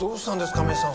亀井さん